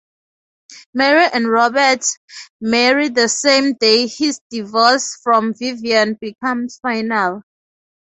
Mary and Robert marry the same day his divorce from Vivian becomes final.